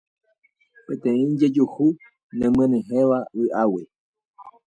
Peteĩ jejuhu nemyenyhẽva vy'águi